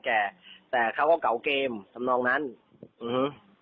แต่เขาก็เก๋าเกมทำนองนั้นอื้อฮึ